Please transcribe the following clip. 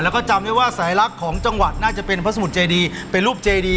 แล้วก็จำได้ว่าสายลักษณ์ของจังหวัดน่าจะเป็นพระสมุทรเจดีเป็นรูปเจดี